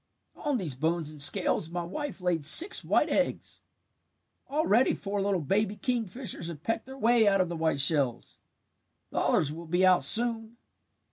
On these bones and scales my wife laid six white eggs. Already four little baby kingfishers have pecked their way out of the white shells. The others will be out soon.